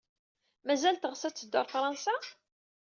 Mazal teɣs ad teddu ɣer Fṛansa?